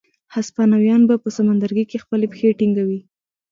هسپانویان به په سمندرګي کې خپلې پښې ټینګوي.